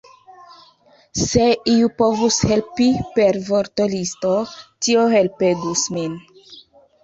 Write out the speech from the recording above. Se iu povus helpi per vortolisto, tio helpegus min!